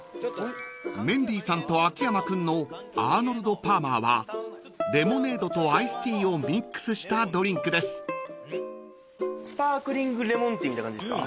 ［メンディーさんと秋山君のアーノルド・パーマーはレモネードとアイスティーをミックスしたドリンクです］みたいな感じですか。